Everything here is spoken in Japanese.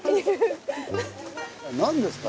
何ですか？